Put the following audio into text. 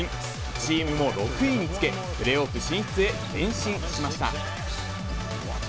チームも６位につけ、プレーオフ進出へ、前進しました。